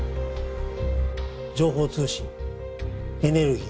情報通信エネルギー